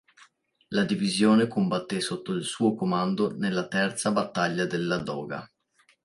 La divisione combatté sotto il suo comando nella terza battaglia del Ladoga.